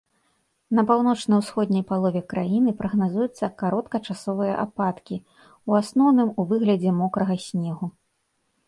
На паўночна-ўсходняй палове краіны прагназуюцца кароткачасовыя ападкі, у асноўным у выглядзе мокрага снегу.